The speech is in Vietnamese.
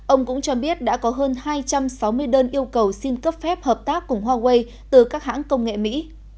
ông cũng cho biết đã có hơn hai trăm sáu mươi đơn yêu cầu xin cấp phép hợp tác cùng huawei từ các hãng công nghệ mỹ